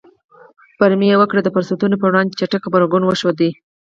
بومي وګړو د فرصتونو پر وړاندې چټک غبرګون وښود.